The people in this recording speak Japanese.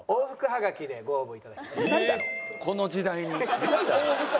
この時代に。